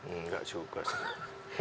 enggak juga sih